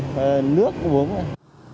nước uống cũng đúng rồi